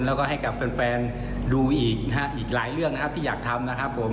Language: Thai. แล้วก็ให้กับแฟนดูอีกหลายเรื่องนะครับที่อยากทำนะครับผม